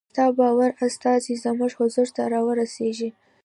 ستا باوري استازی زموږ حضور ته را ورسیږي.